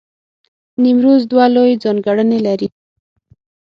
نیمروز دوه لوی ځانګړنې لرلې.